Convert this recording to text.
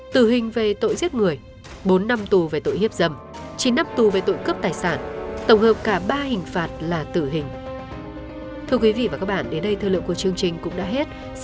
tử hình về tội giết người bốn năm tù về tội hiếp dâm chín năm tù về tội cướp tài sản tổng hợp cả ba hình phạt là tử hình